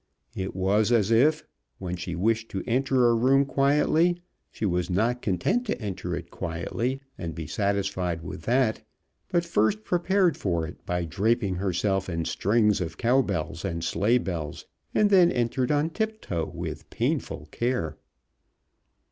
It was as if, when she wished to enter a room quietly, she was not content to enter it quietly and be satisfied with that, but first prepared for it by draping herself in strings of cow bells and sleigh bells, and then entered on tip toe with painful care.